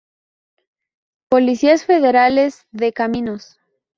Policías Federales de Caminos